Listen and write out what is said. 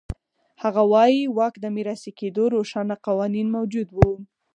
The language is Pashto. هغه وایي واک د میراثي کېدو روښانه قوانین موجود و.